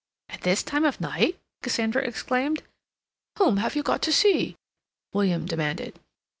"At this time of night?" Cassandra exclaimed. "Whom have you got to see?" William demanded.